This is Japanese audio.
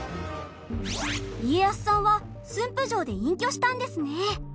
家康さんは駿府城で隠居したんですね。